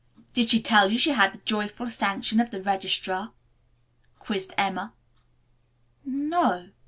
"Did she tell you she had the joyful sanction of the registrar?" quizzed Emma. "No o.